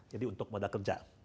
jadi untuk modal kerja